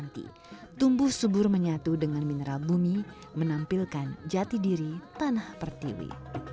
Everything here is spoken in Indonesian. lintas kopi yang selalu berhenti tumbuh subur menyatu dengan mineral bumi menampilkan jati diri tanah pertiwi